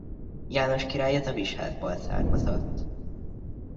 János király az Avis-házból származott.